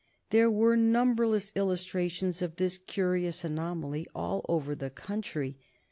There were numberless illustrations of this curious anomaly all over the country.